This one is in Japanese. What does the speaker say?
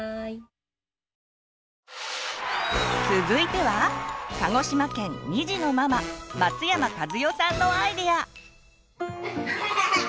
続いては鹿児島県２児のママ松山和代さんのアイデア！